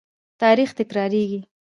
تاریخ تکراریږي